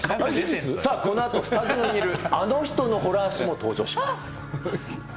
さあ、このあと、スタジオにいるあの人のホラー史も登場します。